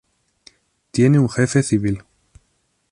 Tiene un jefe civil.